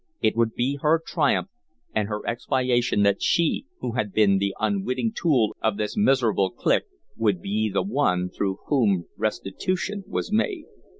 It would be her triumph and her expiation that she, who had been the unwitting tool of this miserable clique, would be the one through whom restitution was made.